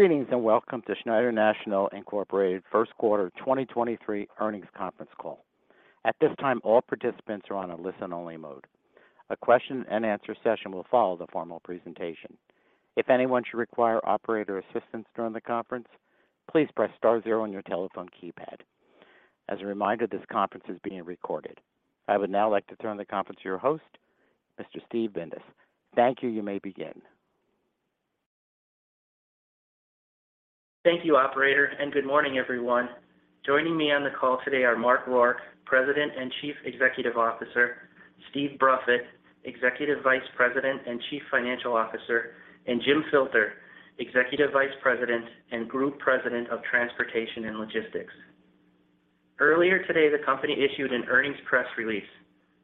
Greetings and welcome to Schneider National, Inc. First Quarter 2023 Earnings Conference Call. At this time, all participants are on a listen-only mode. A question and answer session will follow the formal presentation. If anyone should require operator assistance during the conference, please press star 0 on your telephone keypad. As a reminder, this conference is being recorded. I would now like to turn the conference to your host, Mr. Steve Bindas. Thank you. You may begin. Thank you, operator, and good morning, everyone. Joining me on the call today are Mark Rourke, President and Chief Executive Officer, Steve Bruffett, Executive Vice President and Chief Financial Officer, and Jim Filter, Executive Vice President and Group President of Transportation and Logistics. Earlier today, the company issued an earnings press release.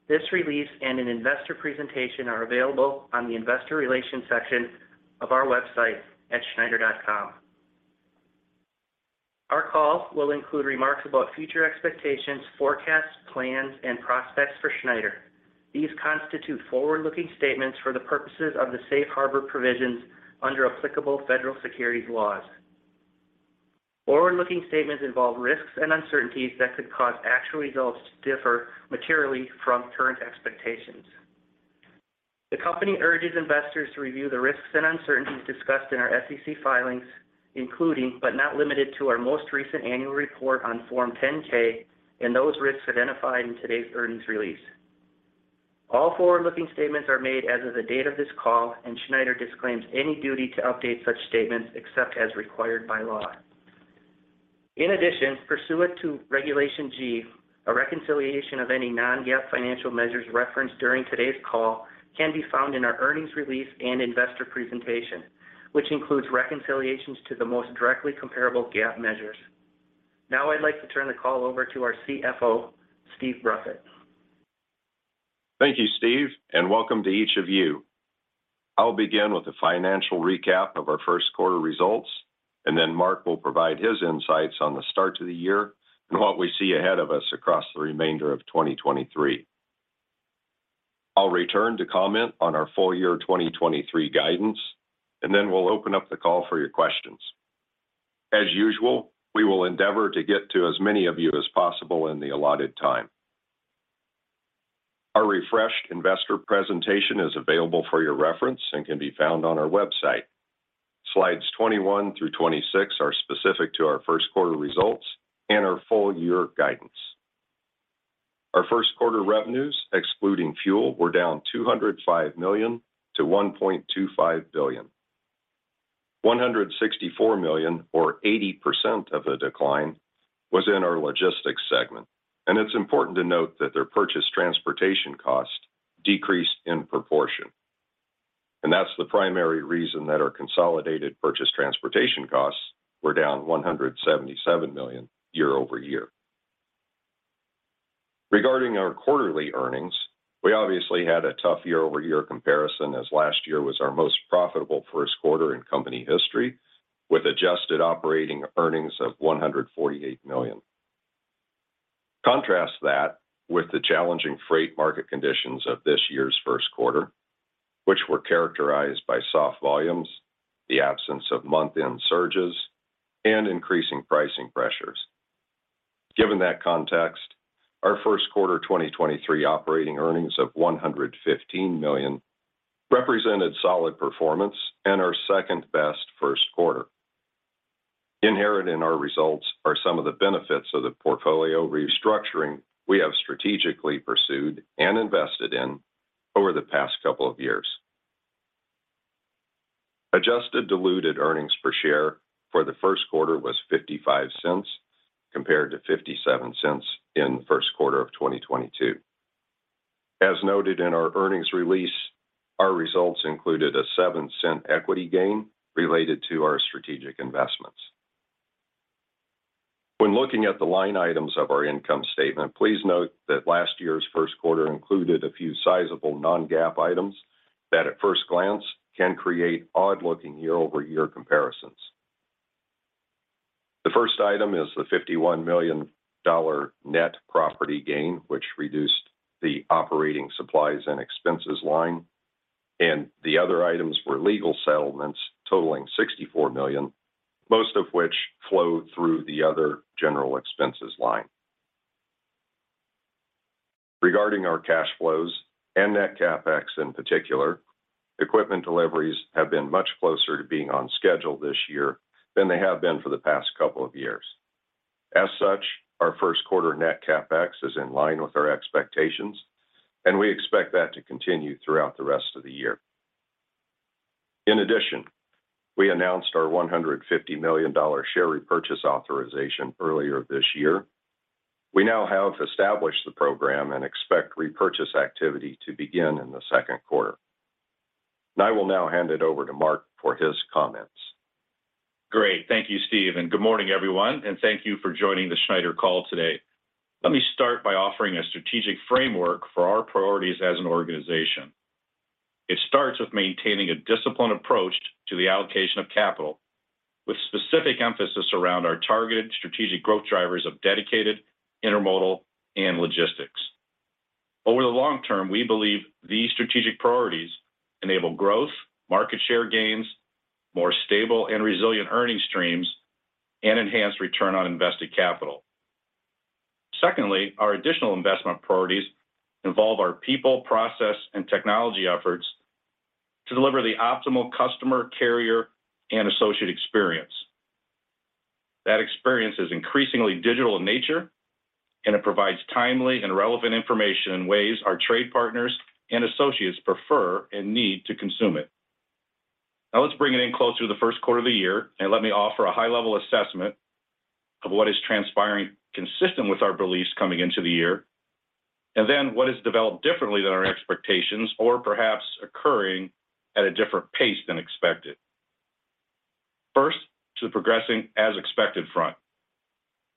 This release and an investor presentation are available on the investor relations section of our website at schneider.com. Our call will include remarks about future expectations, forecasts, plans, and prospects for Schneider. These constitute forward-looking statements for the purposes of the safe harbor provisions under applicable federal securities laws. Forward-looking statements involve risks and uncertainties that could cause actual results to differ materially from current expectations. The company urges investors to review the risks and uncertainties discussed in our SEC filings, including, but not limited to, our most recent annual report on Form 10-K and those risks identified in today's earnings release. All forward-looking statements are made as of the date of this call, and Schneider disclaims any duty to update such statements except as required by law. In addition, pursuant to Regulation G, a reconciliation of any non-GAAP financial measures referenced during today's call can be found in our earnings release and investor presentation, which includes reconciliations to the most directly comparable GAAP measures. Now I'd like to turn the call over to our CFO, Steve Bruffett. Thank you, Steve, and welcome to each of you. I'll begin with a financial recap of our first quarter results. Mark will provide his insights on the start to the year and what we see ahead of us across the remainder of 2023. I'll return to comment on our full year 2023 guidance. We'll open up the call for your questions. As usual, we will endeavor to get to as many of you as possible in the allotted time. Our refreshed investor presentation is available for your reference and can be found on our website. Slides 21 through 26 are specific to our first quarter results and our full year guidance. Our first quarter revenues, excluding fuel, were down $205 million to $1.25 billion. $164 million or 80% of the decline was in our logistics segment. It's important to note that their purchase transportation cost decreased in proportion. That's the primary reason that our consolidated purchase transportation costs were down $177 million year-over-year. Regarding our quarterly earnings, we obviously had a tough year-over-year comparison as last year was our most profitable first quarter in company history with adjusted operating earnings of $148 million. Contrast that with the challenging freight market conditions of this year's first quarter, which were characterized by soft volumes, the absence of month-end surges, and increasing pricing pressures. Given that context, our first quarter 2023 operating earnings of $115 million represented solid performance and our second-best first quarter. Inherent in our results are some of the benefits of the portfolio restructuring we have strategically pursued and invested in over the past couple of years. Adjusted diluted earnings per share for the first quarter was $0.55 compared to $0.57 in the first quarter of 2022. As noted in our earnings release, our results included a $0.07 equity gain related to our strategic investments. When looking at the line items of our income statement, please note that last year's first quarter included a few sizable non-GAAP items that at first glance can create odd-looking year-over-year comparisons. The first item is the $51 million net property gain, which reduced the operating supplies and expenses line, and the other items were legal settlements totaling $64 million, most of which flowed through the other general expenses line. Regarding our cash flows and net CapEx in particular, equipment deliveries have been much closer to being on schedule this year than they have been for the past couple of years. As such, our first quarter net CapEx is in line with our expectations, and we expect that to continue throughout the rest of the year. In addition, we announced our $150 million share repurchase authorization earlier this year. We now have established the program and expect repurchase activity to begin in the second quarter. I will now hand it over to Mark for his comments. Great. Thank you, Steve, and good morning, everyone, and thank you for joining the Schneider call today. Let me start by offering a strategic framework for our priorities as an organization. It starts with maintaining a disciplined approach to the allocation of capital with specific emphasis around our targeted strategic growth drivers of Dedicated, Intermodal, and Logistics. Over the long term, we believe these strategic priorities enable growth, market share gains, more stable and resilient earning streams, and enhanced return on invested capital. Secondly, our additional investment priorities involve our people, process, and technology efforts to deliver the optimal customer, carrier, and associate experience. That experience is increasingly digital in nature, and it provides timely and relevant information in ways our trade partners and associates prefer and need to consume it. Let's bring it in closer to the first quarter of the year, and let me offer a high-level assessment of what is transpiring consistent with our beliefs coming into the year, and then what has developed differently than our expectations or perhaps occurring at a different pace than expected. First, to the progressing as expected front.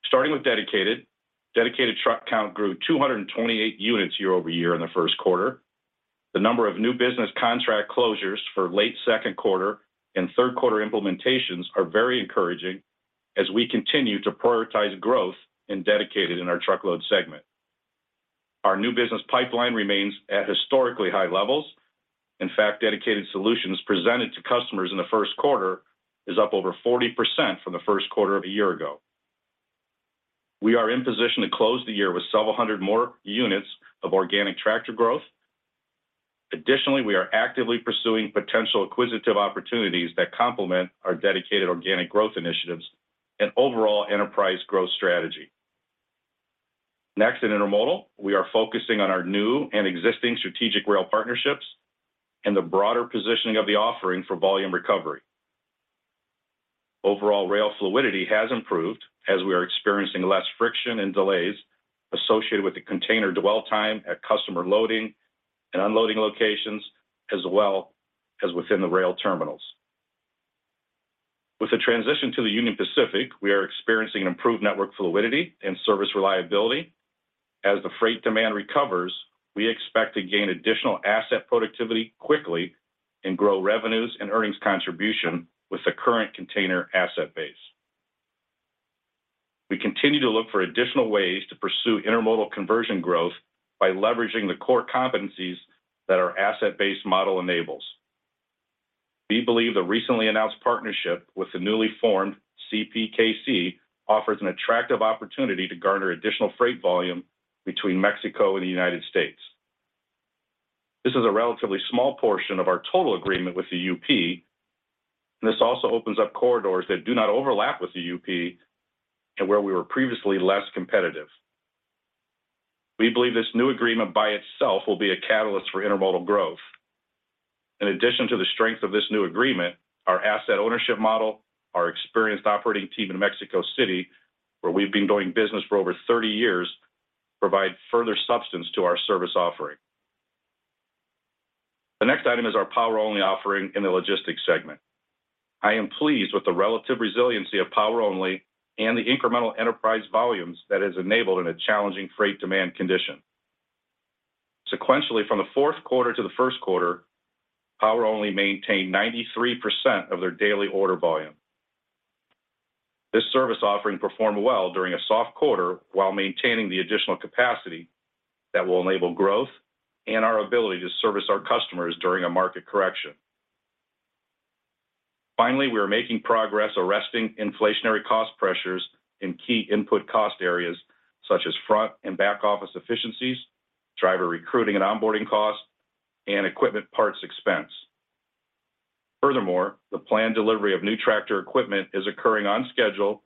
Starting with Dedicated. Dedicated truck count grew 228 units year-over-year in the first quarter. The number of new business contract closures for late second quarter and third quarter implementations are very encouraging as we continue to prioritize growth in Dedicated in our Truckload segment. Our new business pipeline remains at historically high levels. In fact, Dedicated solutions presented to customers in the first quarter is up over 40% from the first quarter of a year ago. We are in position to close the year with several hundred more units of organic tractor growth. Additionally, we are actively pursuing potential acquisitive opportunities that complement our Dedicated organic growth initiatives and overall enterprise growth strategy. In Intermodal, we are focusing on our new and existing strategic rail partnerships and the broader positioning of the offering for volume recovery. Overall rail fluidity has improved as we are experiencing less friction and delays associated with the container dwell time at customer loading and unloading locations, as well as within the rail terminals. With the transition to the Union Pacific, we are experiencing an improved network fluidity and service reliability. As the freight demand recovers, we expect to gain additional asset productivity quickly and grow revenues and earnings contribution with the current container asset base. We continue to look for additional ways to pursue Intermodal conversion growth by leveraging the core competencies that our asset-based model enables. We believe the recently announced partnership with the newly formed CPKC offers an attractive opportunity to garner additional freight volume between Mexico and the United States. This is a relatively small portion of our total agreement with the UP, and this also opens up corridors that do not overlap with the UP and where we were previously less competitive. We believe this new agreement by itself will be a catalyst for Intermodal growth. In addition to the strength of this new agreement, our asset ownership model, our experienced operating team in Mexico City, where we've been doing business for over 30 years, provide further substance to our service offering. The next item is our Power Only offering in the logistics segment. I am pleased with the relative resiliency of Power Only and the incremental enterprise volumes that has enabled in a challenging freight demand condition. Sequentially from the fourth quarter to the first quarter, Power Only maintained 93% of their daily order volume. This service offering performed well during a soft quarter while maintaining the additional capacity that will enable growth and our ability to service our customers during a market correction. We are making progress arresting inflationary cost pressures in key input cost areas such as front and back office efficiencies, driver recruiting and onboarding costs, and equipment parts expense. The planned delivery of new tractor equipment is occurring on schedule,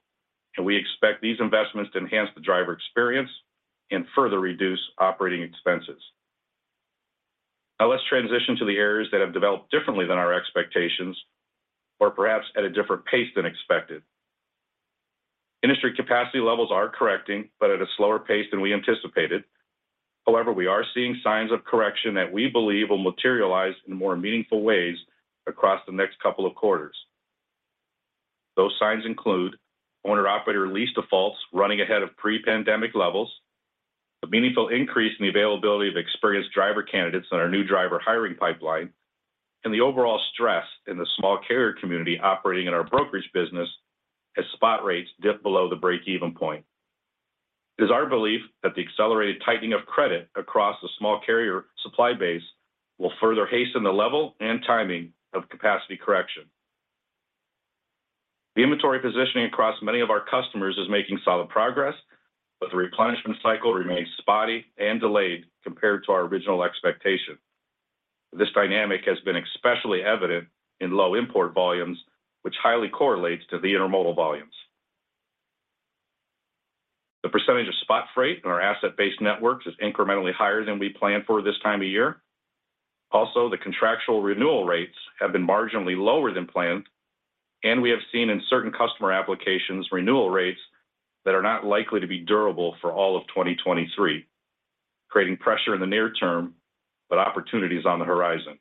and we expect these investments to enhance the driver experience and further reduce operating expenses. Let's transition to the areas that have developed differently than our expectations or perhaps at a different pace than expected. Industry capacity levels are correcting, but at a slower pace than we anticipated. We are seeing signs of correction that we believe will materialize in more meaningful ways across the next couple of quarters. Those signs include owner-operator lease defaults running ahead of pre-pandemic levels, a meaningful increase in the availability of experienced driver candidates in our new driver hiring pipeline, and the overall stress in the small carrier community operating in our brokerage business as spot rates dip below the break-even point. It is our belief that the accelerated tightening of credit across the small carrier supply base will further hasten the level and timing of capacity correction. The inventory positioning across many of our customers is making solid progress, but the replenishment cycle remains spotty and delayed compared to our original expectation. This dynamic has been especially evident in low import volumes, which highly correlates to the Intermodal volumes. The percentage of spot freight in our asset-based networks is incrementally higher than we planned for this time of year. The contractual renewal rates have been marginally lower than planned, and we have seen in certain customer applications renewal rates that are not likely to be durable for all of 2023, creating pressure in the near term, but opportunities on the horizon.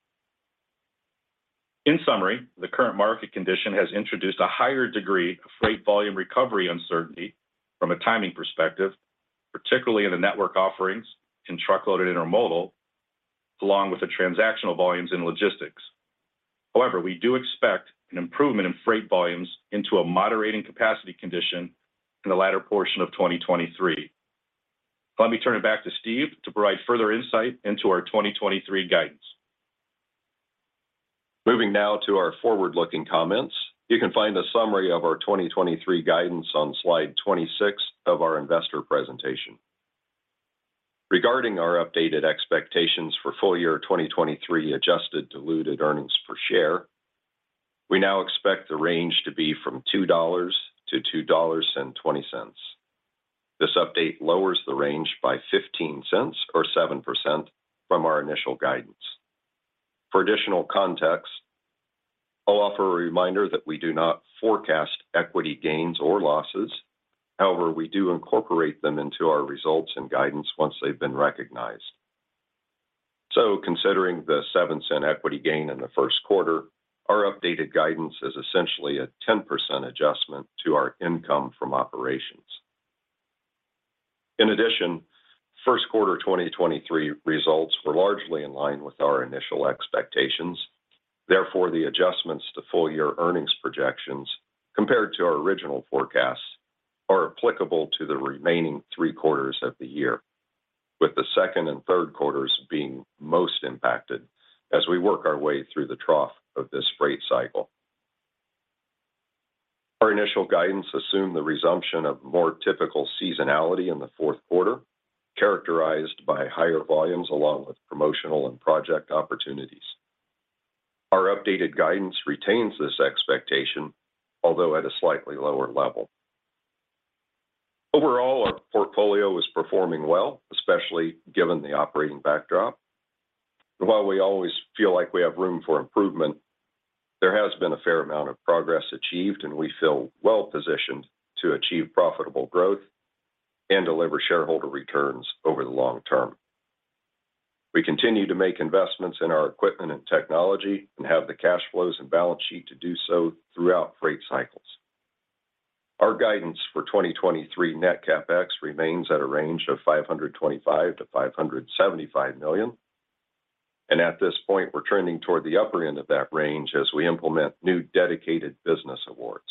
In summary, the current market condition has introduced a higher degree of freight volume recovery uncertainty from a timing perspective, particularly in the network offerings in truckload and Intermodal, along with the transactional volumes in logistics. We do expect an improvement in freight volumes into a moderating capacity condition in the latter portion of 2023. Let me turn it back to Steve to provide further insight into our 2023 guidance. Moving now to our forward-looking comments. You can find a summary of our 2023 guidance on slide 26 of our investor presentation. Regarding our updated expectations for full year 2023 adjusted diluted earnings per share, we now expect the range to be from $2.00-$2.20. This update lowers the range by $0.15 or 7% from our initial guidance. For additional context, I'll offer a reminder that we do not forecast equity gains or losses. We do incorporate them into our results and guidance once they've been recognized. Considering the $0.07 equity gain in the 1st quarter, our updated guidance is essentially a 10% adjustment to our income from operations. In addition, 1st quarter 2023 results were largely in line with our initial expectations. Therefore the adjustments to full year earnings projections compared to our original forecasts are applicable to the remaining three quarters of the year, with the second and third quarters being most impacted as we work our way through the trough of this freight cycle. Our initial guidance assumed the resumption of more typical seasonality in the fourth quarter, characterized by higher volumes along with promotional and project opportunities. Our updated guidance retains this expectation, although at a slightly lower level. Overall, our portfolio is performing well, especially given the operating backdrop. While we always feel like we have room for improvement, there has been a fair amount of progress achieved, and we feel well positioned to achieve profitable growth and deliver shareholder returns over the long term. We continue to make investments in our equipment and technology and have the cash flows and balance sheet to do so throughout freight cycles. Our guidance for 2023 net CapEx remains at a range of $525 million-$575 million, and at this point we're trending toward the upper end of that range as we implement new Dedicated business awards.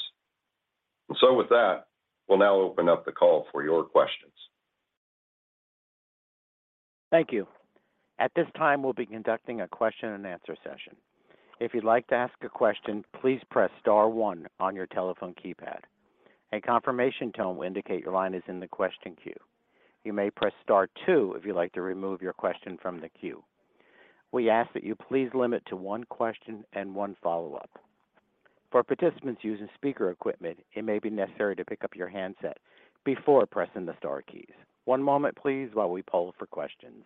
With that, we'll now open up the call for your questions. Thank you. At this time, we'll be conducting a question and answer session. If you'd like to ask a question, please press star one on your telephone keypad. A confirmation tone will indicate your line is in the question queue. You may press star two if you'd like to remove your question from the queue. We ask that you please limit to one question and one follow-up. For participants using speaker equipment, it may be necessary to pick up your handset before pressing the star keys. One moment please while we poll for questions.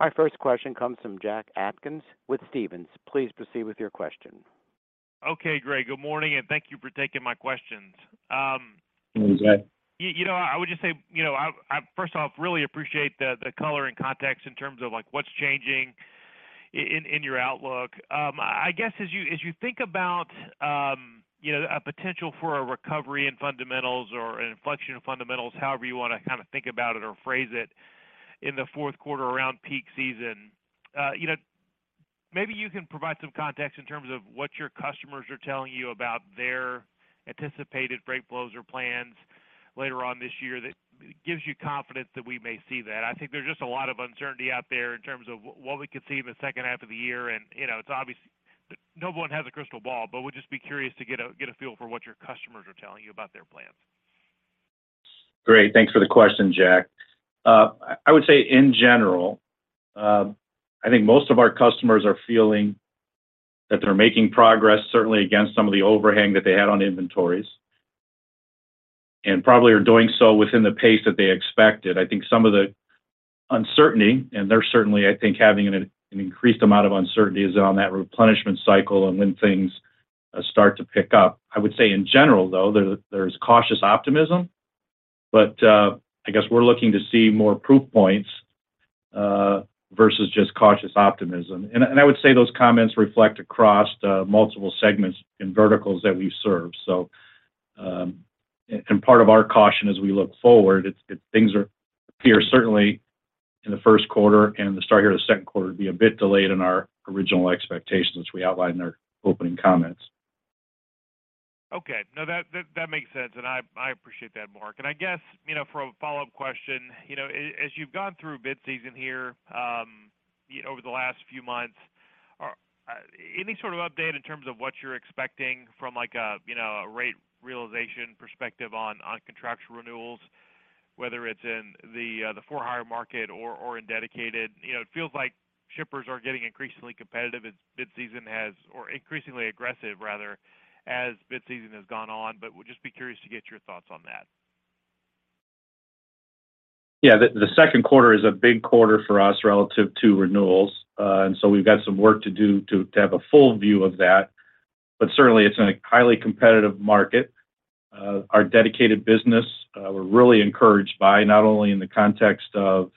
Our first question comes from Jack Atkins with Stephens. Please proceed with your question. Okay, Greg, good morning. Thank you for taking my questions. Morning, Jack. You know, I would just say, you know, I first off, really appreciate the color and context in terms of like, what's changing in your outlook. I guess as you, as you think about, you know, a potential for a recovery in fundamentals or an inflection of fundamentals, however you want to kind of think about it or phrase it in the fourth quarter around peak season. You know, maybe you can provide some context in terms of what your customers are telling you about their anticipated freight flows or plans later on this year that gives you confidence that we may see that. I think there's just a lot of uncertainty out there in terms of what we could see in the second half of the year. You know, it's obvious no one has a crystal ball. We'll just be curious to get a feel for what your customers are telling you about their plans. Great. Thanks for the question, Jack. I would say in general, I think most of our customers are feeling that they're making progress, certainly against some of the overhang that they had on inventories and probably are doing so within the pace that they expected. I think some of the uncertainty, and they're certainly, I think, having an increased amount of uncertainty is on that replenishment cycle and when things start to pick up. I would say in general, though, there's cautious optimism, but I guess we're looking to see more proof points versus just cautious optimism. I would say those comments reflect across the multiple segments and verticals that we serve. Part of our caution as we look forward, things are appear certainly in the first quarter and the start here of the second quarter to be a bit delayed in our original expectations as we outlined in our opening comments. Okay. No, that makes sense, and I appreciate that, Mark. I guess, you know, for a follow-up question, you know, as you've gone through bid season here, over the last few months, any sort of update in terms of what you're expecting from like a, you know, a rate realization perspective on contractual renewals, whether it's in the for hire market or in Dedicated. You know, it feels like shippers are getting increasingly aggressive rather as bid season has gone on. Would just be curious to get your thoughts on that. The second quarter is a big quarter for us relative to renewals. We've got some work to do to have a full view of that. Certainly it's in a highly competitive market. Our Dedicated business, we're really encouraged by not only in the context of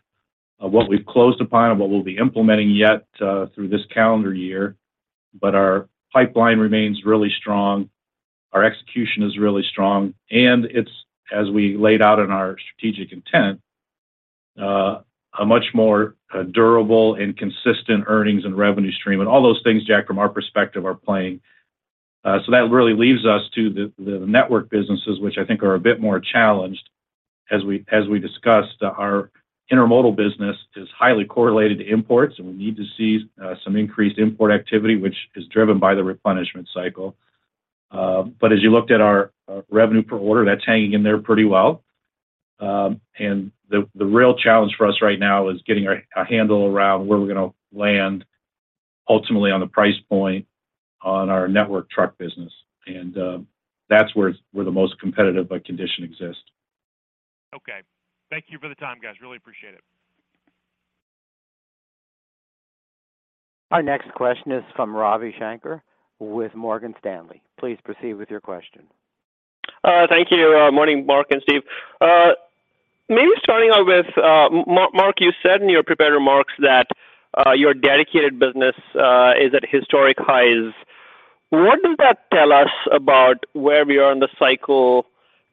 what we've closed upon and what we'll be implementing yet through this calendar year, but our pipeline remains really strong. Our execution is really strong, and it's, as we laid out in our strategic intent, a much more durable and consistent earnings and revenue stream. All those things, Jack, from our perspective are playing. That really leaves us to the network businesses which I think are a bit more challenged. As we discussed, our Intermodal business is highly correlated to imports, and we need to see some increased import activity, which is driven by the replenishment cycle. As you looked at our revenue per order, that's hanging in there pretty well. The real challenge for us right now is getting a handle around where we're gonna land ultimately on the price point on our network truck business. That's where the most competitive by condition exists. Okay. Thank you for the time, guys. Really appreciate it. Our next question is from Ravi Shanker with Morgan Stanley. Please proceed with your question. Thank you. Morning, Mark and Steve. Maybe starting out with Mark, you said in your prepared remarks that your Dedicated business is at historic highs. What does that tell us about where we are in the cycle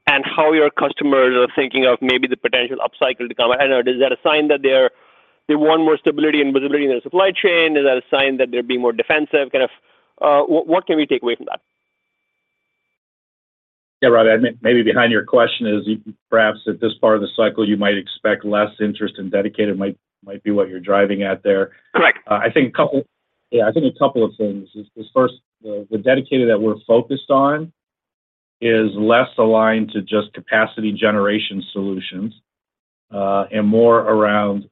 and how your customers are thinking of maybe the potential upcycle to come? Is that a sign that they want more stability and visibility in their supply chain? Is that a sign that they're being more defensive? Kind of, what can we take away from that? Yeah, Ravi, I mean, maybe behind your question is perhaps at this part of the cycle, you might expect less interest in Dedicated might be what you're driving at there. Correct. I think a couple of things. Is first, the Dedicated that we're focused on is less aligned to just capacity generation solutions, and more around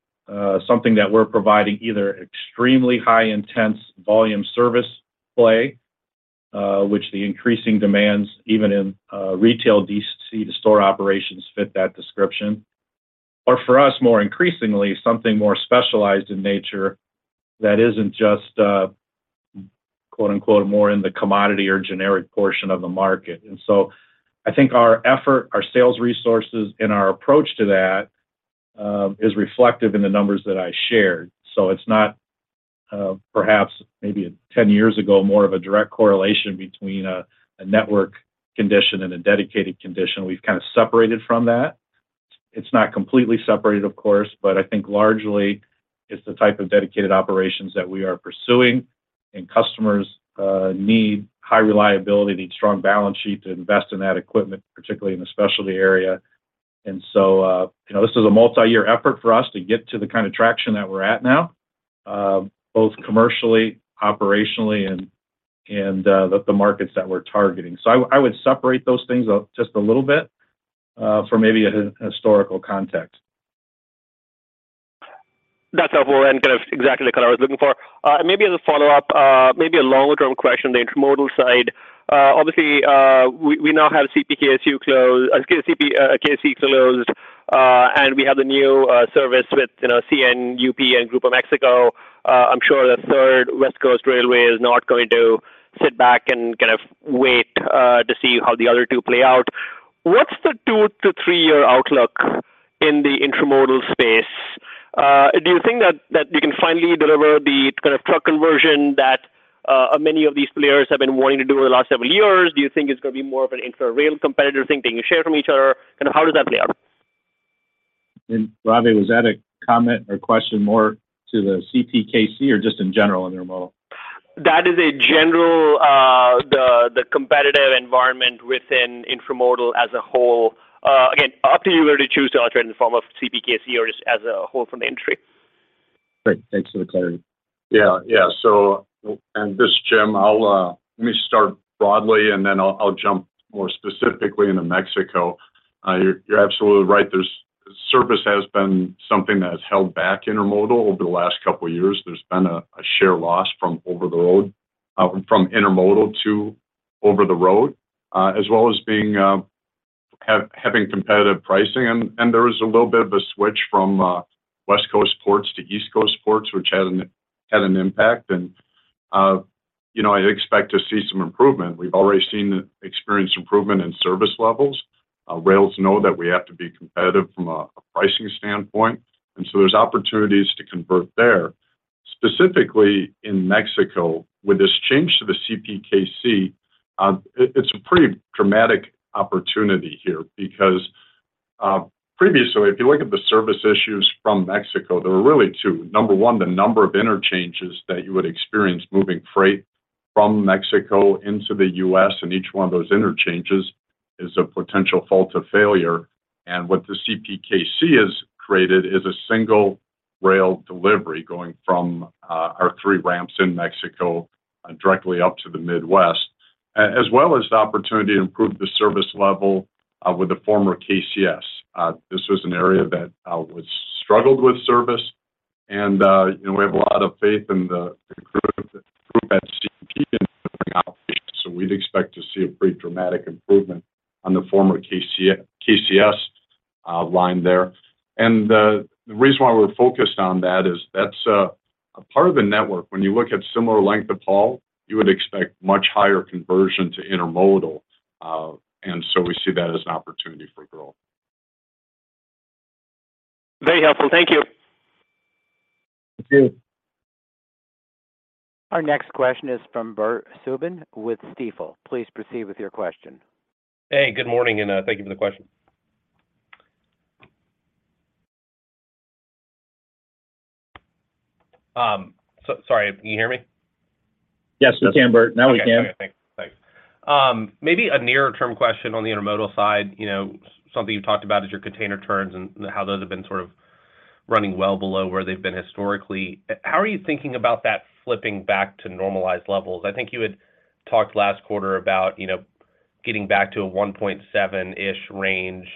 something that we're providing either extremely high intense volume service play, which the increasing demands even in retail DC to store operations fit that description. Or for us, more increasingly, something more specialized in nature that isn't just "more" in the commodity or generic portion of the market. I think our effort, our sales resources, and our approach to that is reflective in the numbers that I shared. It's not perhaps maybe 10 years ago, more of a direct correlation between a network condition and a Dedicated condition. We've kinda separated from that. It's not completely separated, of course, but I think largely it's the type of Dedicated operations that we are pursuing. Customers need high reliability, need strong balance sheet to invest in that equipment, particularly in the specialty area. So, you know, this is a multi-year effort for us to get to the kind of traction that we're at now, both commercially, operationally, and the markets that we're targeting. I would separate those things out just a little bit for maybe a historical context. That's helpful and kind of exactly the color I was looking for. Maybe as a follow-up, maybe a longer-term question, the Intermodal side. Obviously, we now have CPKC closed, excuse me, CPKC closed, and we have the new service with, you know, CN, UP, and Grupo México. I'm sure the third West Coast railway is not going to sit back and kind of wait to see how the other two play out. What's two to three year outlook in the Intermodal space? Do you think that you can finally deliver the kind of truck conversion that many of these players have been wanting to do over the last several years? Do you think it's gonna be more of an interrail competitor thing, they can share from each other? Kind of how does that play out? Ravi, was that a comment or question more to the CPKC or just in general Intermodal? That is a general, the competitive environment within Intermodal as a whole. Again, up to you whether you choose to answer in the form of CPKC or just as a whole from entry. Great. Thanks for the clarity. Yeah. Yeah. This is Jim. I'll let me start broadly, and then I'll jump more specifically into Mexico. You're absolutely right. Service has been something that has held back Intermodal over the last couple of years. There's been a share loss from Intermodal to over the road, as well as having competitive pricing. There was a little bit of a switch from West Coast ports to East Coast ports, which had an impact. You know, I expect to see some improvement. We've already seen the experience improvement in service levels. Rails know that we have to be competitive from a pricing standpoint, and so there's opportunities to convert there. Specifically in Mexico, with this change to the CPKC, it's a pretty dramatic opportunity here because, previously, if you look at the service issues from Mexico, there were really two. Number one, the number of interchanges that you would experience moving freight from Mexico into the U.S., and each one of those interchanges is a potential fault to failure. What the CPKC has created is a single rail delivery going from our three ramps in Mexico directly up to the Midwest. As well as the opportunity to improve the service level with the former KCS. This was an area that was struggled with service, and you know, we have a lot of faith in the crew at CP in delivering output. We'd expect to see a pretty dramatic improvement on the former KCS line there. The reason why we're focused on that is that's a part of the network. When you look at similar length of haul, you would expect much higher conversion to Intermodal. So we see that as an opportunity for growth. Very helpful. Thank you. Our next question is from Bert Subin with Stifel. Please proceed with your question. Hey, good morning, and thank you for the question. Sorry, can you hear me? Yes, we can, Bert. Now, we can. Okay. Yeah. Thanks. Thanks. Maybe a near-term question on the Intermodal side. You know, something you've talked about is your container turns and how those have been sort of running well below where they've been historically. How are you thinking about that flipping back to normalized levels? I think you had talked last quarter about, you know, getting back to a 1.7-ish range,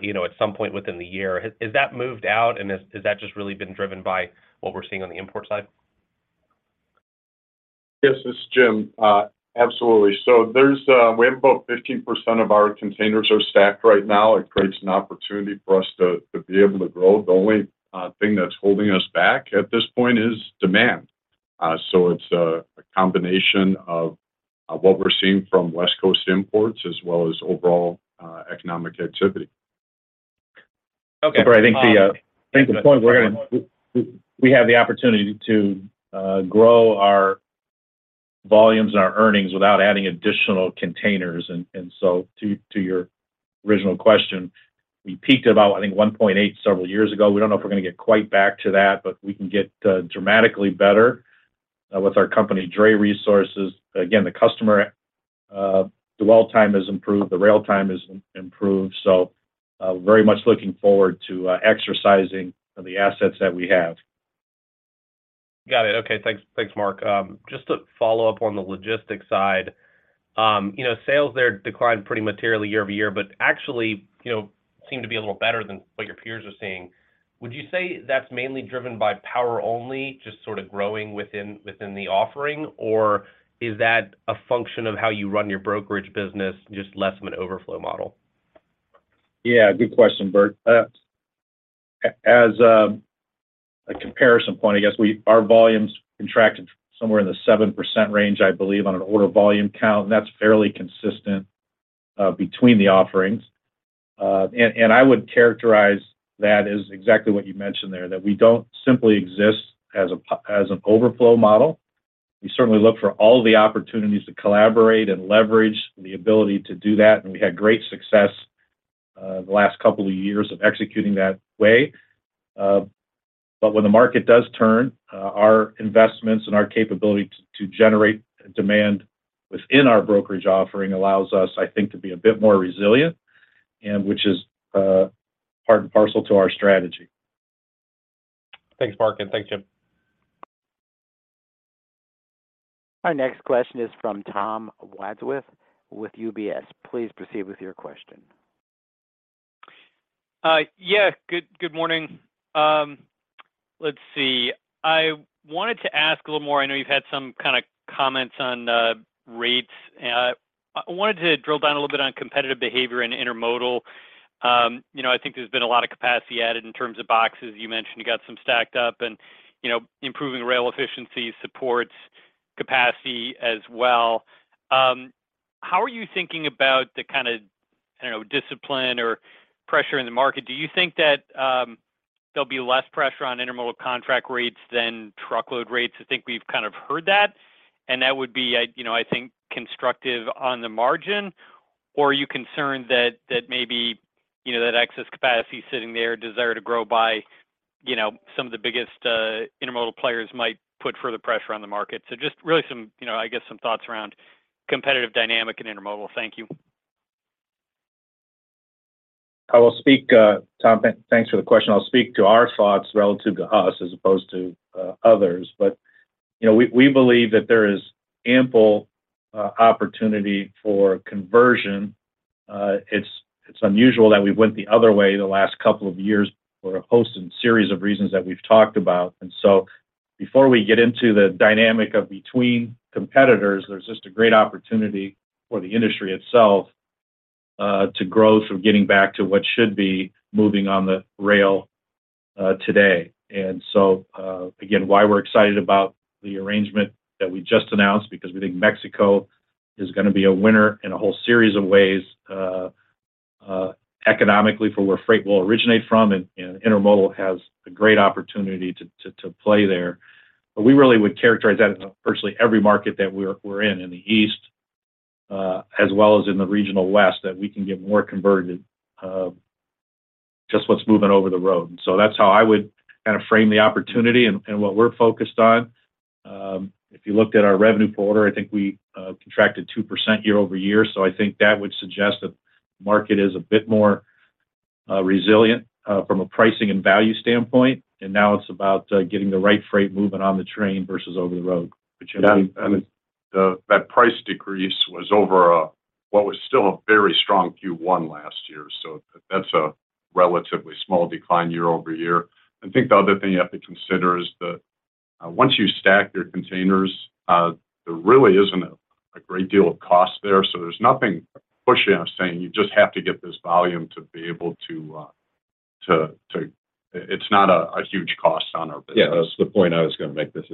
you know, at some point within the year. Has that moved out, and has that just really been driven by what we're seeing on the import side? Yes, it's Jim. Absolutely. There's we have about 15% of our containers are stacked right now. It creates an opportunity for us to be able to grow. The only thing that's holding us back at this point is demand. It's a combination of what we're seeing from West Coast imports as well as overall economic activity. Okay. I think the, I think the point we're gonna we have the opportunity to grow our volumes and our earnings without adding additional containers. So to your original question, we peaked at about, I think, 1.8 several years ago. We don't know if we're gonna get quite back to that, but we can get dramatically better with our company dray resources. The customer dwell time has improved. The rail time has improved, so very much looking forward to exercising the assets that we have. Got it. Okay. Thanks. Thanks, Mark. Just to follow up on the logistics side. You know, sales there declined pretty materially year-over-year but actually, you know, seem to be a little better than what your peers are seeing. Would you say that's mainly driven by Power Only just sort of growing within the offering, or is that a function of how you run your brokerage business, just less of an overflow model? Good question, Bert. As a comparison point, I guess, our volumes contracted somewhere in the 7% range, I believe, on an order volume count, and that's fairly consistent between the offerings. I would characterize that as exactly what you mentioned there, that we don't simply exist as an overflow model. We certainly look for all the opportunities to collaborate and leverage the ability to do that, and we had great success the last couple of years of executing that way. When the market does turn, our investments and our capability to generate demand within our brokerage offering allows us, I think, to be a bit more resilient, and which is part and parcel to our strategy. Thanks, Mark, and thanks, Jim. Our next question is from Tom Wadewitz with UBS. Please proceed with your question. Yeah. Good, good morning. Let's see. I wanted to ask a little more. I know you've had some kinda comments on rates. I wanted to drill down a little bit on competitive behavior and Intermodal. You know, I think there's been a lot of capacity added in terms of boxes. You mentioned you got some stacked up and, you know, improving rail efficiency supports capacity as well. How are you thinking about the kind of, I don't know, discipline or pressure in the market? Do you think that there'll be less pressure on Intermodal contract rates than truckload rates? I think we've kind of heard that, and that would be, you know, I think constructive on the margin. Are you concerned that maybe, you know, that excess capacity sitting there, desire to grow by, you know, some of the biggest Intermodal players might put further pressure on the market? Just really some, you know, I guess, some thoughts around competitive dynamic and Intermodal. Thank you. I will speak, Tom, thanks for the question. I'll speak to our thoughts relative to us as opposed to others. You know, we believe that there is ample opportunity for conversion. It's unusual that we went the other way the last couple of years for a host and series of reasons that we've talked about. Before we get into the dynamic of between competitors, there's just a great opportunity for the industry itself to grow from getting back to what should be moving on the rail today. Again, why we're excited about the arrangement that we just announced because we think Mexico is gonna be a winner in a whole series of ways economically for where freight will originate from, and Intermodal has a great opportunity to play there. We really would characterize that as virtually every market that we're in the East, as well as in the regional West, that we can get more converted, just what's moving over the road. That's how I would kinda frame the opportunity and what we're focused on. If you looked at our revenue per order, I think we contracted 2% year-over-year, so I think that would suggest that market is a bit more resilient, from a pricing and value standpoint. Now it's about getting the right freight moving on the train versus over the road. Yeah, that price decrease was over what was still a very strong Q1 last year. That's a relatively small decline year-over-year. I think the other thing you have to consider is that once you stack your containers, there really isn't a great deal of cost there. There's nothing pushing us, saying, "You just have to get this volume to be able to..." It's not a huge cost on our business. Yeah, that's the point I was gonna make. This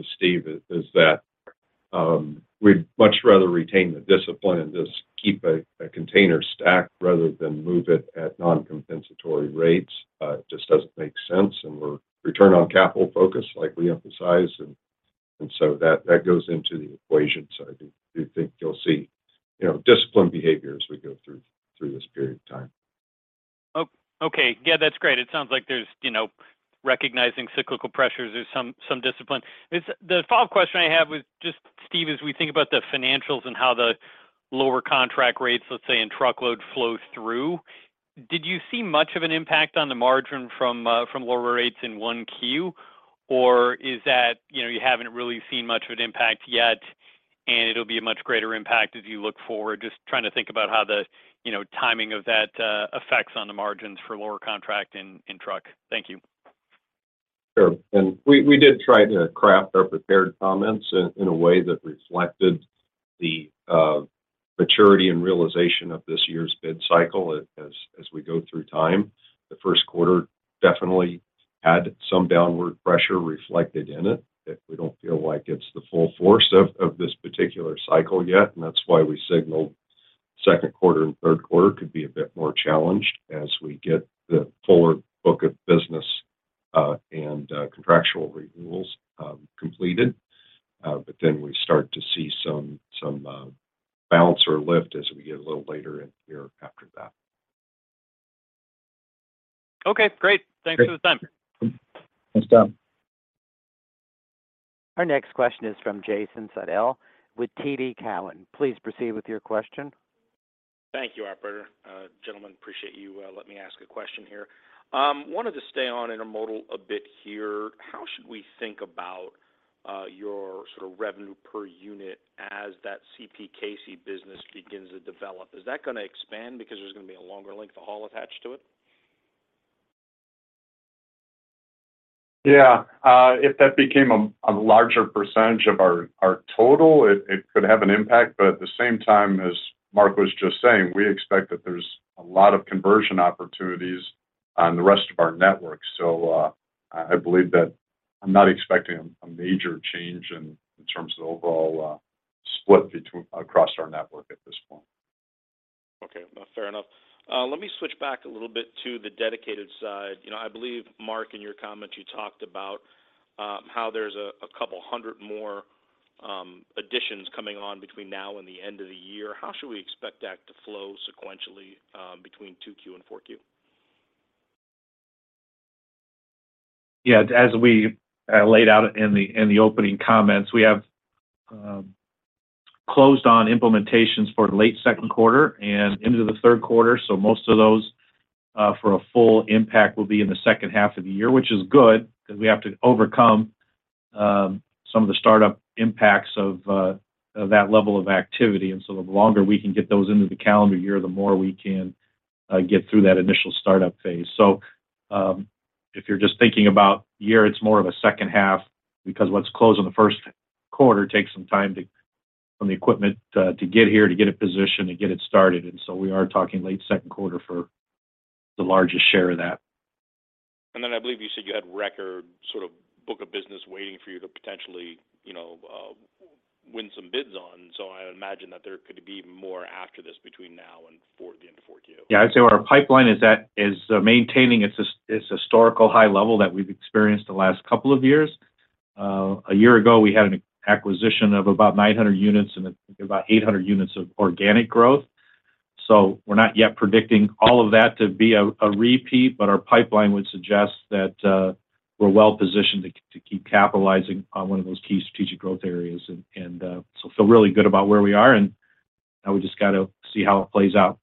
is Steve. Is. We'd much rather retain the discipline and just keep a container stacked rather than move it at non-compensatory rates. It just doesn't make sense, and we're return on capital focused, like we emphasize. That goes into the equation side. We do think you'll see, you know, disciplined behavior as we go through this period of time. Oh, okay. Yeah, that's great. It sounds like there's, you know, recognizing cyclical pressures, there's some discipline. The follow-up question I have was just, Steve, as we think about the financials and how the lower contract rates, let's say, in truckload flow through, did you see much of an impact on the margin from lower rates in 1Q? Or is that, you know, you haven't really seen much of an impact yet, and it'll be a much greater impact as you look forward? Just trying to think about how the, you know, timing of that affects on the margins for lower contract in truck. Thank you. Sure. We did try to craft our prepared comments in a way that reflected the maturity and realization of this year's bid cycle as we go through time. The first quarter definitely had some downward pressure reflected in it, yet we don't feel like it's the full force of this particular cycle yet. That's why we signaled second quarter and third quarter could be a bit more challenged as we get the fuller book of business and contractual renewals completed. We start to see some balance or lift as we get a little later in the year after that. Okay, great. Great. Thanks for the time. Thanks, Tom. Our next question is from Jason Seidl with TD Cowen. Please proceed with your question. Thank you, operator. Gentlemen, appreciate you letting me ask a question here. Wanted to stay on Intermodal a bit here. How should we think about your sort of revenue per order as that CPKC business begins to develop? Is that gonna expand because there's gonna be a longer length of haul attached to it? Yeah. If that became a larger percentage of our total, it could have an impact. At the same time, as Mark was just saying, we expect that there's a lot of conversion opportunities on the rest of our network. I believe that I'm not expecting a major change in terms of the overall split across our network at this point. Okay, fair enough. Let me switch back a little bit to the Dedicated side. You know, I believe, Mark, in your comments, you talked about how there's a couple hundred more additions coming on between now and the end of the year. How should we expect that to flow sequentially between 2Q and 4Q? As we laid out in the opening comments, we have closed on implementations for late second quarter and into the third quarter. Most of those for a full impact will be in the second half of the year, which is good because we have to overcome some of the startup impacts of that level of activity. The longer we can get those into the calendar year, the more we can get through that initial startup phase. If you're just thinking about the year, it's more of a second half because what's closed in the first quarter takes some time to get here, to get it positioned, to get it started. We are talking late second quarter for the largest share of that. I believe you said you had record sort of book of business waiting for you to potentially, you know, win some bids on. I imagine that there could be more after this between now and the end of 4Q. Yeah. I'd say our pipeline is maintaining its historical high level that we've experienced the last couple of years. A year ago, we had an acquisition of about 900 units and about 800 units of organic growth. We're not yet predicting all of that to be a repeat, but our pipeline would suggest that we're well positioned to keep capitalizing on one of those key strategic growth areas. Feel really good about where we are, and now we just got to see how it plays out.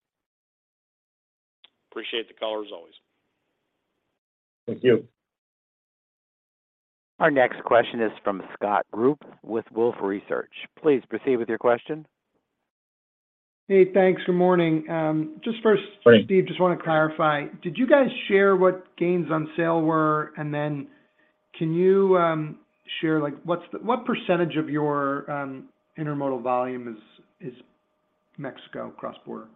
Appreciate the color as always. Thank you. Our next question is from Scott Group with Wolfe Research. Please proceed with your question. Hey. Thanks. Good morning. Thanks. Steve, just want to clarify, did you guys share what gains on sale were? Can you share, like, what percentage of your Intermodal volume is Mexico cross-border?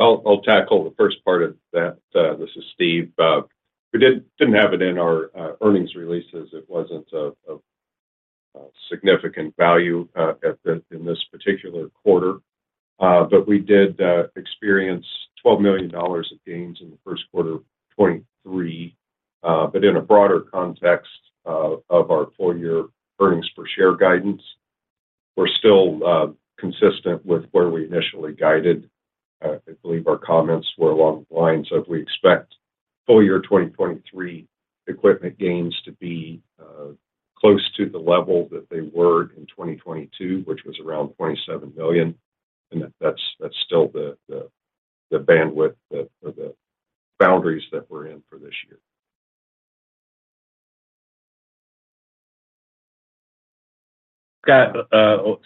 I'll tackle the first part of that. This is Steve. We didn't have it in our earnings releases. It wasn't a significant value at the in this particular quarter. We did experience $12 million of gains in the first quarter of 2023. In a broader context of our full year earnings per share guidance, we're still consistent with where we initially guided. I believe our comments were along the lines of we expect full year 2023 equipment gains to be close to the level that they were in 2022, which was around $27 million. That's still the bandwidth that or the boundaries that we're in for this year. Scott,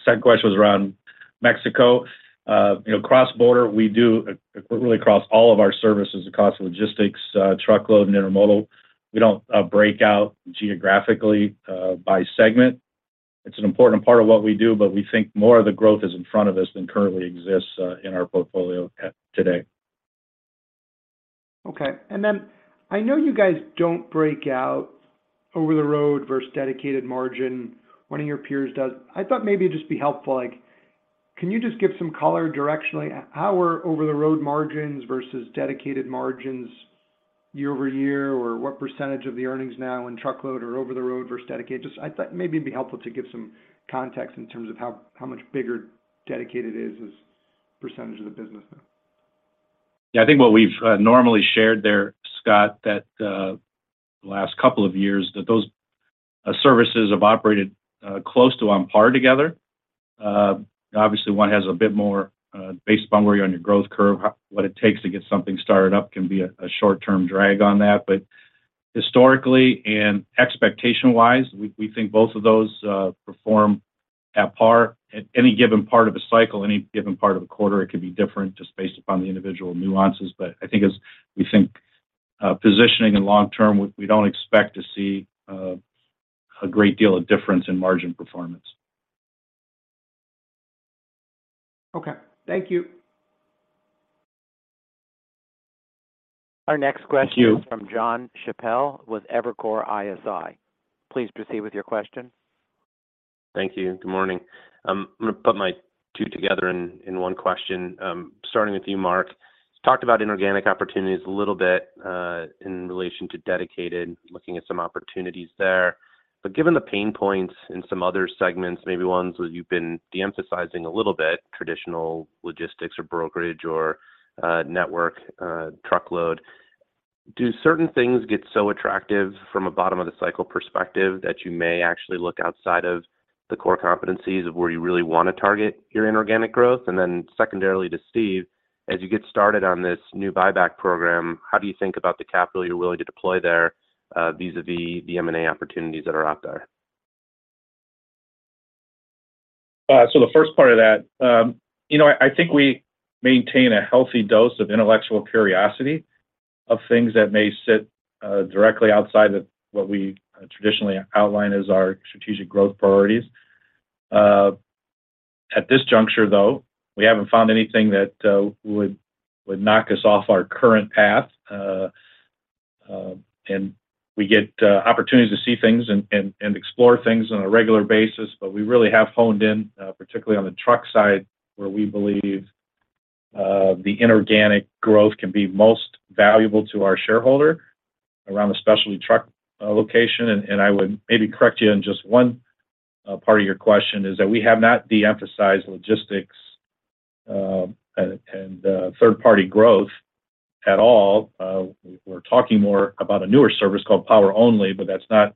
second question was around Mexico. you know, cross-border, we do equally across all of our services, across logistics, truckload, and Intermodal. We don't break out geographically by segment. It's an important part of what we do, but we think more of the growth is in front of us than currently exists in our portfolio at today. Okay. Then I know you guys don't break out over-the-road versus Dedicated margin. One of your peers does. I thought maybe it'd just be helpful, like, can you just give some color directionally, how are over-the-road margins versus Dedicated margins year-over-year? Or what % of the earnings now in truckload or over-the-road versus Dedicated? Just I thought maybe it'd be helpful to give some context in terms of how much bigger Dedicated is as % of the business now. Yeah. I think what we've normally shared there, Scott, that the last couple of years, that those services have operated close to on par together. Obviously one has a bit more, based upon where you are on your growth curve, what it takes to get something started up can be a short-term drag on that. Historically and expectation-wise, we think both of those perform at par. At any given part of a cycle, any given part of a quarter, it could be different just based upon the individual nuances. I think as we think positioning and long term, we don't expect to see a great deal of difference in margin performance. Okay. Thank you. Our next question. Thank you. is from Jon Chappell with Evercore ISI. Please proceed with your question. Thank you. Good morning. I'm gonna put my two together in one question. Starting with you, Mark. Talked about inorganic opportunities a little bit, in relation to Dedicated, looking at some opportunities there. Given the pain points in some other segments, maybe ones that you've been de-emphasizing a little bit, traditional logistics or brokerage or network truckload, do certain things get so attractive from a bottom of the cycle perspective that you may actually look outside of the core competencies of where you really want to target your inorganic growth? Secondarily to Steve, as you get started on this new buyback program, how do you think about the capital you're willing to deploy there, vis-a-vis the M&A opportunities that are out there? The first part of that, you know, I think we maintain a healthy dose of intellectual curiosity of things that may sit directly outside of what we traditionally outline as our strategic growth priorities. At this juncture though, we haven't found anything that would knock us off our current path. We get opportunities to see things and explore things on a regular basis. We really have honed in particularly on the truck side, where we believe the inorganic growth can be most valuable to our shareholder around the specialty truck location. I would maybe correct you on just one part of your question is that we have not de-emphasized logistics and third-party growth at all. We're talking more about a newer service called Power Only, but that's not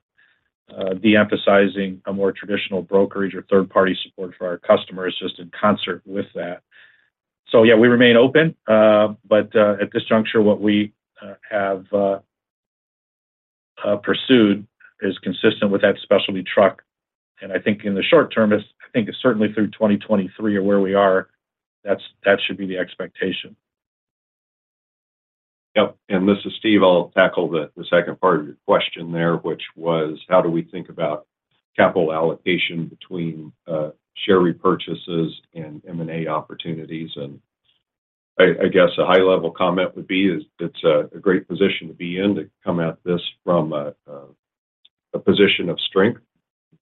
de-emphasizing a more traditional brokerage or third-party support for our customers, just in concert with that. Yeah, we remain open. At this juncture, what we have pursued is consistent with that specialty truck. I think in the short term, I think it's certainly through 2023 of where we are, that's, that should be the expectation. Yep. This is Steve. I'll tackle the second part of your question there, which was how do we think about capital allocation between share repurchases and M&A opportunities. I guess a high-level comment would be is it's a great position to be in to come at this from a position of strength,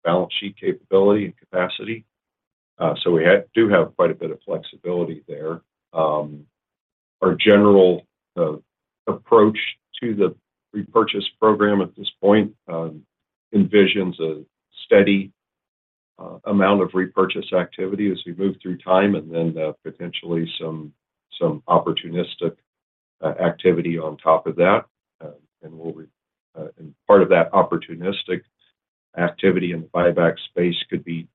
balance sheet capability, and capacity. We do have quite a bit of flexibility there. Our general approach to the repurchase program at this point envisions a steady amount of repurchase activity as we move through time, then potentially some opportunistic activity on top of that. Part of that opportunistic activity in the buyback space could be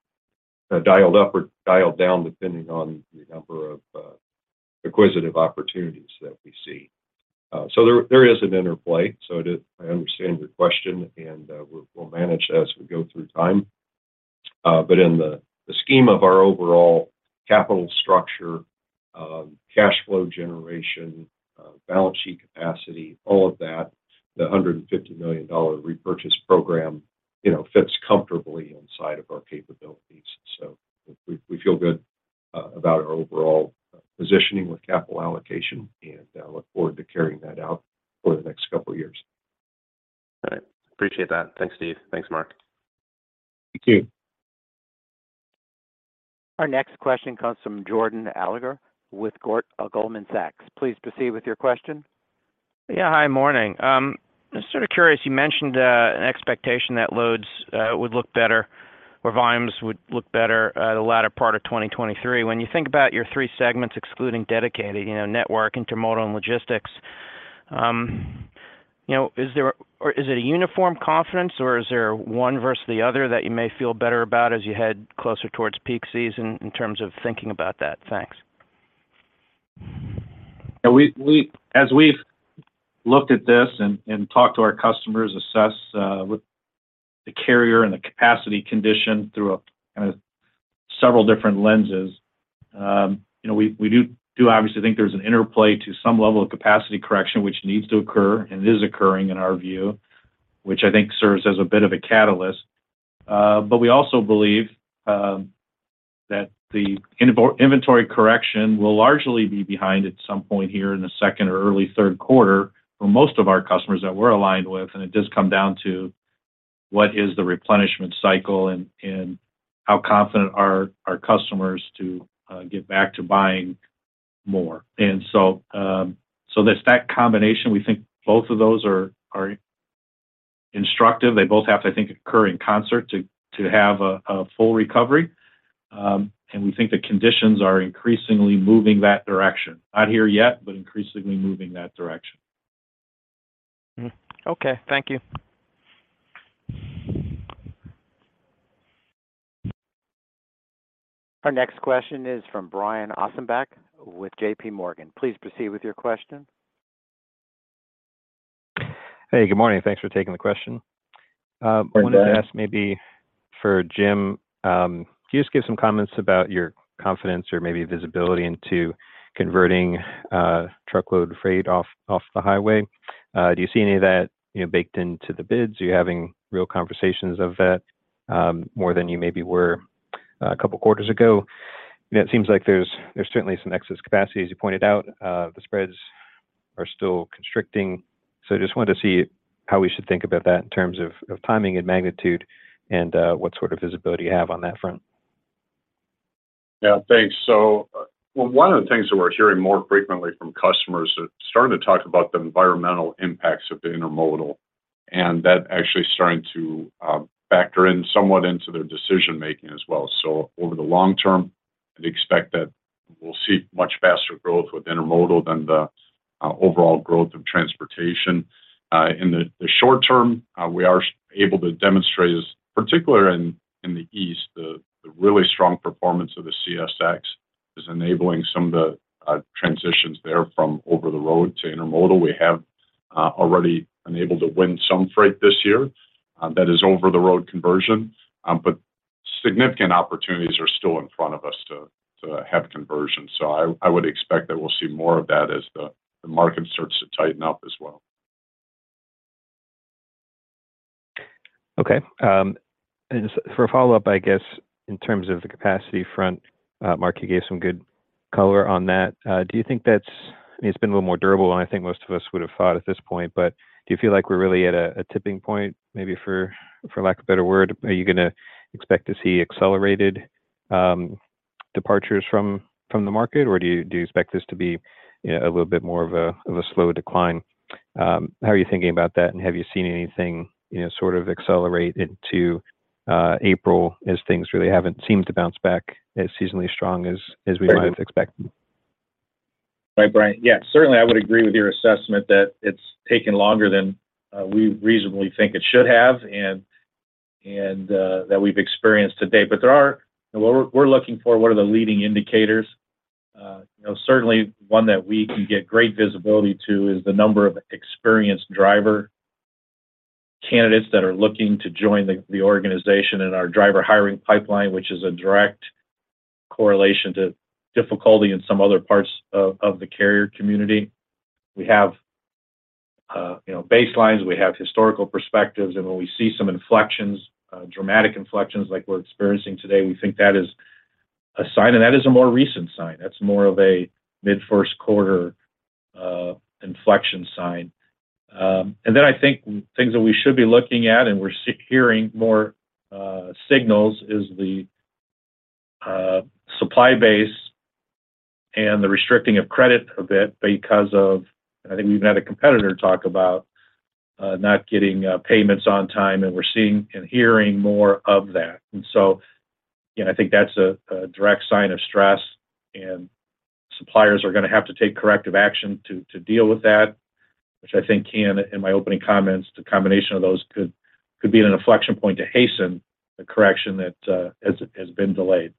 dialed up or dialed down depending on the number of acquisitive opportunities that we see. There is an interplay. I understand your question, and we'll manage as we go through time. In the scheme of our overall capital structure, cash flow generation, balance sheet capacity, all of that, the $150 million repurchase program, you know, fits comfortably inside of our capabilities. We feel good about our overall positioning with capital allocation and look forward to carrying that out for the next couple of years. All right. Appreciate that. Thanks, Steve. Thanks, Mark. Thank you. Our next question comes from Jordan Alliger with Goldman Sachs. Please proceed with your question. Yeah. Hi. Morning. I'm sort of curious, you mentioned an expectation that loads would look better or volumes would look better the latter part of 2023. When you think about your three segments excluding Dedicated, you know, network, Intermodal, and logistics, you know, or is it a uniform confidence, or is there one versus the other that you may feel better about as you head closer towards peak season in terms of thinking about that? Thanks. We, as we've looked at this and talked to our customers, assessed with the carrier and the capacity condition through a kind of several different lenses, we do obviously think there's an interplay to some level of capacity correction which needs to occur and is occurring in our view, which I think serves as a bit of a catalyst. We also believe that the inventory correction will largely be behind at some point here in the second or early third quarter for most of our customers that we're aligned with. It does come down to what is the replenishment cycle and how confident are our customers to get back to buying more. So that's that combination. We think both of those are instructive. They both have, I think, occur in concert to have a full recovery. We think the conditions are increasingly moving that direction. Not here yet, but increasingly moving that direction. Okay. Thank you. Our next question is from Brian Ossenbeck with J.P. Morgan. Please proceed with your question. Hey, good morning. Thanks for taking the question. Good day. Wanted to ask maybe for Jim, can you just give some comments about your confidence or maybe visibility into converting truckload freight off the highway? Do you see any of that, you know, baked into the bids? Are you having real conversations of that, more than you maybe were a couple quarters ago? You know, it seems like there's certainly some excess capacity, as you pointed out. The spreads are still constricting. Just wanted to see how we should think about that in terms of timing and magnitude and what sort of visibility you have on that front? Yeah, thanks. One of the things that we're hearing more frequently from customers are starting to talk about the environmental impacts of the Intermodal, and that actually is starting to factor in somewhat into their decision making as well. Over the long term, I'd expect that we'll see much faster growth with Intermodal than the overall growth of transportation. In the short term, we are able to demonstrate, particularly in the east, the really strong performance of the CSX is enabling some of the transitions there from over the road to Intermodal. We have already been able to win some freight this year, that is over the road conversion. But significant opportunities are still in front of us to have conversion. I would expect that we'll see more of that as the market starts to tighten up as well. Okay. For a follow-up, I guess in terms of the capacity front, Mark, you gave some good color on that. Do you think that's... I mean, it's been a little more durable, and I think most of us would have thought at this point. But do you feel like we're really at a tipping point maybe for lack of a better word? Are you gonna expect to see accelerated departures from the market, or do you expect this to be a little bit more of a slow decline? How are you thinking about that, and have you seen anything, you know, sort of accelerate into April as things really haven't seemed to bounce back as seasonally strong as we might have expected? Right, Brian. Yeah, certainly I would agree with your assessment that it's taken longer than we reasonably think it should have and that we've experienced to date. What we're looking for, what are the leading indicators, you know, certainly one that we can get great visibility to is the number of experienced driver candidates that are looking to join the organization in our driver hiring pipeline, which is a direct correlation to difficulty in some other parts of the carrier community. We have, you know, baselines, we have historical perspectives, and when we see some inflections, dramatic inflections like we're experiencing today, we think that is a sign, and that is a more recent sign. That's more of a mid first quarter inflection sign. Then I think things that we should be looking at and we're hearing more signals is the supply base and the restricting of credit a bit because of, I think we've had a competitor talk about not getting payments on time, and we're seeing and hearing more of that. So, you know, I think that's a direct sign of stress, and suppliers are going to have to take corrective action to deal with that, which I think can, in my opening comments, the combination of those could be an inflection point to hasten the correction that has been delayed.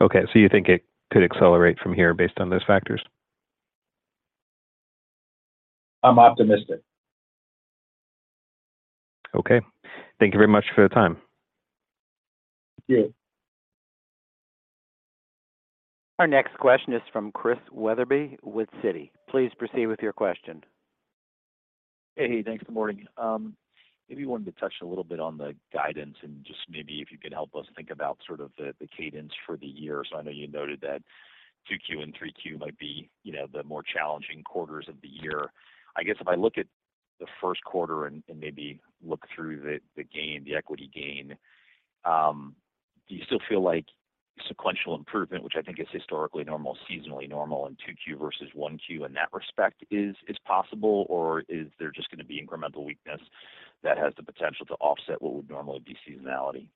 Okay. You think it could accelerate from here based on those factors? I'm optimistic. Okay. Thank you very much for the time. Thank you. Our next question is from Christian Wetherbee with Citi. Please proceed with your question. Hey. Hey, thanks. Good morning. Maybe wanted to touch a little bit on the guidance and just maybe if you could help us think about sort of the cadence for the year. I know you noted that 2Q and 3Q might be, you know, the more challenging quarters of the year. I guess if I look at the 1st quarter and maybe look through the gain, the equity gain, do you still feel like sequential improvement, which I think is historically normal, seasonally normal in 2Q versus 1Q in that respect is possible, or is there just going to be incremental weakness that has the potential to offset what would normally be seasonality?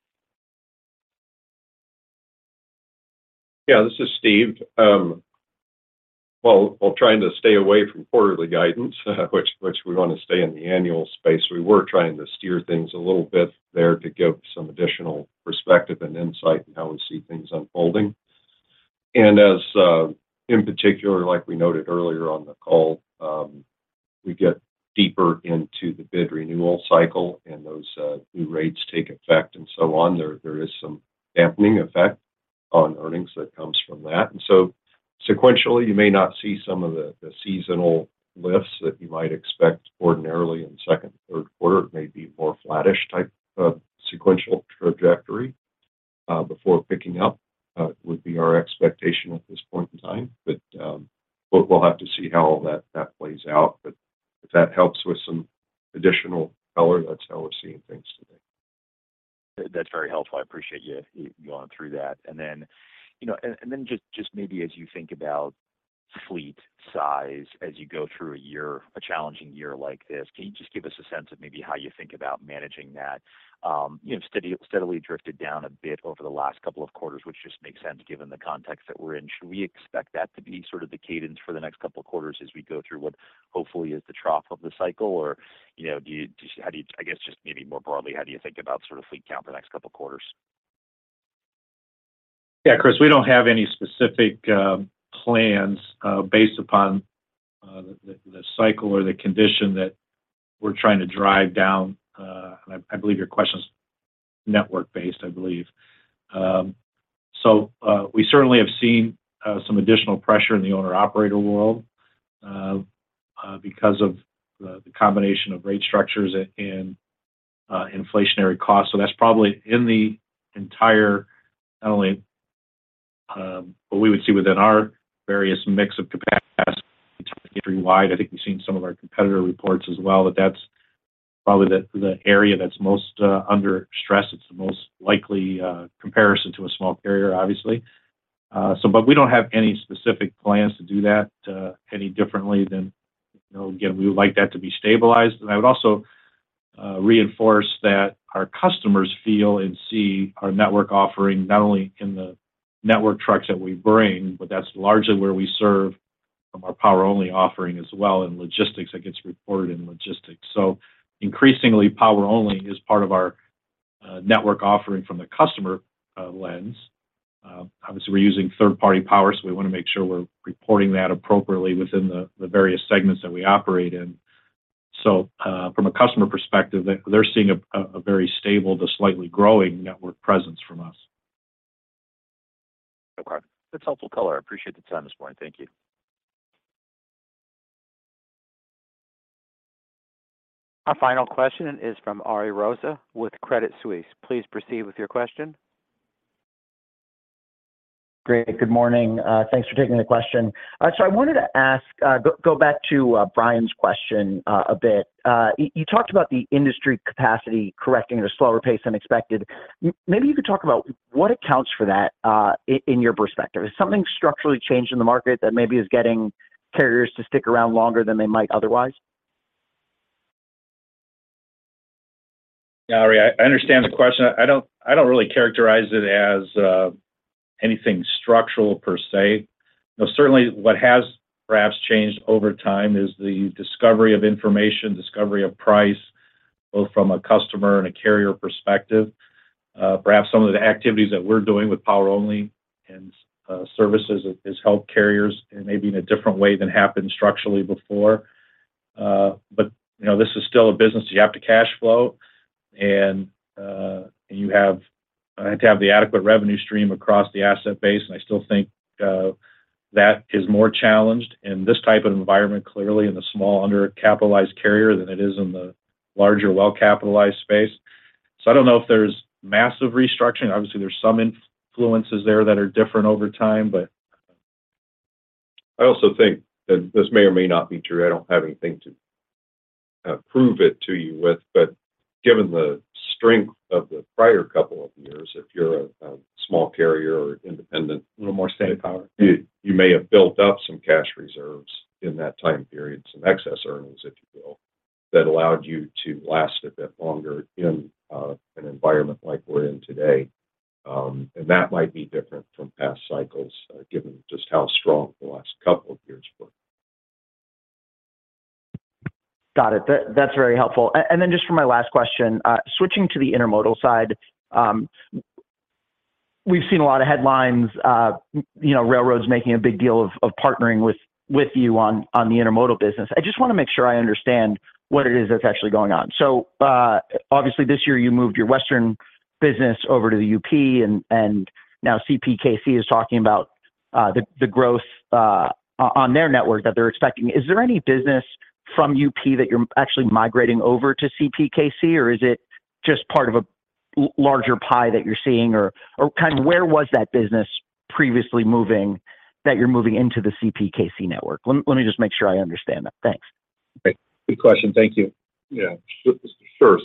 Yeah, this is Steve. Well, while trying to stay away from quarterly guidance, which we want to stay in the annual space, we were trying to steer things a little bit there to give some additional perspective and insight in how we see things unfolding. As, in particular, like we noted earlier on the call, we get deeper into the bid renewal cycle and those, new rates take effect and so on. There is some dampening effect on earnings that comes from that. Sequentially, you may not see some of the seasonal lifts that you might expect ordinarily in second, third quarter. It may be more flattish type of sequential trajectory, before picking up, would be our expectation at this point in time. We'll have to see how all that plays out. If that helps with some additional color, that's how we're seeing things today. That's very helpful. I appreciate you going through that. Then, you know, just maybe as you think about fleet size as you go through a year, a challenging year like this, can you just give us a sense of maybe how you think about managing that? You know, steadily drifted down a bit over the last couple of quarters, which just makes sense given the context that we're in. Should we expect that to be sort of the cadence for the next couple of quarters as we go through what hopefully is the trough of the cycle? You know, Just how do you I guess just maybe more broadly, how do you think about sort of fleet count the next couple quarters? Yeah, Chris, we don't have any specific plans based upon the cycle or the condition that we're trying to drive down. I believe your question's network-based, I believe. We certainly have seen some additional pressure in the owner-operator world because of the combination of rate structures and inflationary costs. That's probably in the entire, not only, what we would see within our various mix of capacity wide. I think we've seen some of our competitor reports as well, that that's probably the area that's most under stress. It's the most likely comparison to a small carrier, obviously. But we don't have any specific plans to do that any differently than, you know, again, we would like that to be stabilized. I would also reinforce that our customers feel and see our network offering not only in the network trucks that we bring, but that's largely where we serve from our Power Only offering as well, and logistics that gets reported in logistics. Increasingly, Power Only is part of our network offering from the customer lens. Obviously, we're using third-party power, so we wanna make sure we're reporting that appropriately within the various segments that we operate in. From a customer perspective, they're seeing a very stable to slightly growing network presence from us. Okay. That's helpful color. I appreciate the time this morning. Thank you. Our final question is from Ari Rosa with Credit Suisse. Please proceed with your question. Great. Good morning. Thanks for taking the question. I wanted to ask, go back to Brian's question a bit. You talked about the industry capacity correcting at a slower pace than expected. Maybe you could talk about what accounts for that in your perspective. Is something structurally changed in the market that maybe is getting carriers to stick around longer than they might otherwise? Yeah. Ari, I understand the question. I don't really characterize it as anything structural per se. You know, certainly what has perhaps changed over time is the discovery of information, discovery of price, both from a customer and a carrier perspective. Perhaps some of the activities that we're doing with Power Only and services has helped carriers and maybe in a different way than happened structurally before. You know, this is still a business that you have to cash flow and you have to have the adequate revenue stream across the asset base. I still think that is more challenged in this type of environment, clearly in the small, undercapitalized carrier than it is in the larger, well-capitalized space. I don't know if there's massive restructuring. Obviously, there's some influences there that are different over time. I also think that this may or may not be true. I don't have anything to prove it to you with, but given the strength of the prior couple of years, if you're a small carrier or... Little more staying power. You may have built up some cash reserves in that time period, some excess earnings, if you will, that allowed you to last a bit longer in an environment like we're in today. That might be different from past cycles, given just how strong the last couple of years were. Got it. That's very helpful. Then just for my last question, switching to the Intermodal side, we've seen a lot of headlines, you know, railroads making a big deal of partnering with you on the Intermodal business. I just wanna make sure I understand what it is that's actually going on. Obviously, this year you moved your Western business over to the UP and now CPKC is talking about the growth on their network that they're expecting. Is there any business from UP that you're actually migrating over to CPKC, or is it just part of a larger pie that you're seeing? Kind of where was that business previously moving that you're moving into the CPKC network? Let me just make sure I understand that. Thanks. Great. Good question. Thank you. Yeah, sure.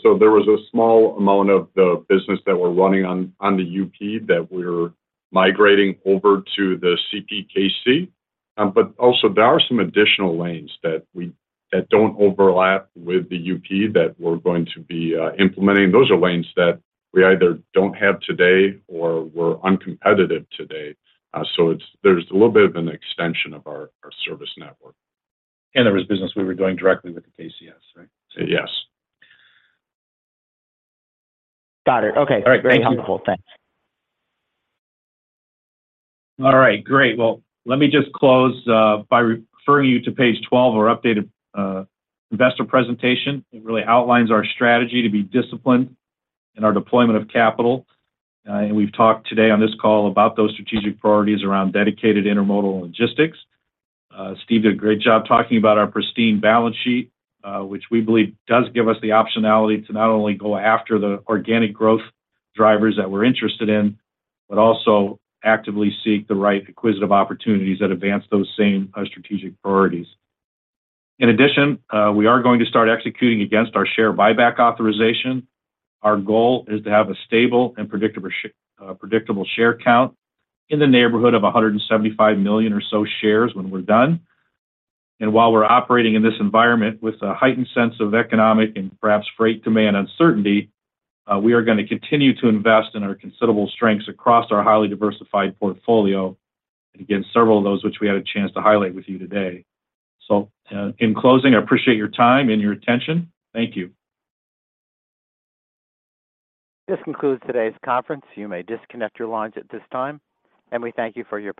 There was a small amount of the business that we're running on the UP that we're migrating over to the CPKC. Also there are some additional lanes that don't overlap with the UP that we're going to be implementing. Those are lanes that we either don't have today or we're uncompetitive today. There's a little bit of an extension of our service network. There was business we were going directly with the KCS, right? Yes. Got it. Okay. All right. Thank you. Very helpful. Thanks. All right. Great. Well, let me just close by referring you to page 12 of our updated investor presentation. It really outlines our strategy to be disciplined in our deployment of capital. And we've talked today on this call about those strategic priorities around Dedicated Intermodal logistics. Steve did a great job talking about our pristine balance sheet, which we believe does give us the optionality to not only go after the organic growth drivers that we're interested in, but also actively seek the right acquisitive opportunities that advance those same strategic priorities. In addition, we are going to start executing against our share buyback authorization. Our goal is to have a stable and predictable predictable share count in the neighborhood of $175 million or so shares when we're done. While we're operating in this environment with a heightened sense of economic and perhaps freight demand uncertainty, we are gonna continue to invest in our considerable strengths across our highly diversified portfolio. Again, several of those which we had a chance to highlight with you today. In closing, I appreciate your time and your attention. Thank you. This concludes today's conference. You may disconnect your lines at this time, and we thank you for your participation.